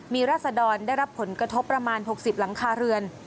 มีราศดรได้รับผลกระทบประมาณ๖๐หลังคาเรือน